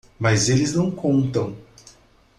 Mas eles não contam.